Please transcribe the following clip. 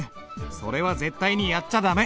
それは絶対にやっちゃ駄目！